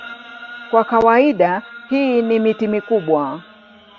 Kwa kawaida hii ni miti mikubwa.